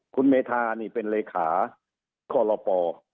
คุณเมธานี่เป็นเลขาคลป